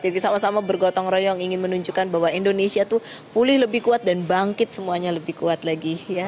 jadi sama sama bergotong royong ingin menunjukkan bahwa indonesia tuh pulih lebih kuat dan bangkit semuanya lebih kuat lagi ya